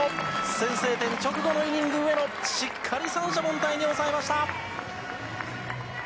先制点直後のイニング、上野、しっかり三者凡退に抑えました。